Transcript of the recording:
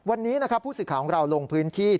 วันนี้นะครับผู้สื่อข่าวของเราลงพื้นที่